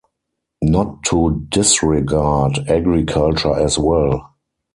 Not to disregard agriculture as well.